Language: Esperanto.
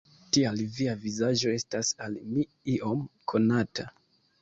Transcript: Tial via vizaĝo estas al mi iom konata.